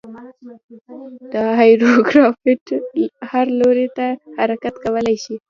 هاورکرافت هر لوري ته حرکت کولی شي.